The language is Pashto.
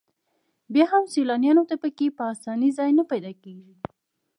بیا هم سیلانیانو ته په کې په اسانۍ ځای نه پیدا کېږي.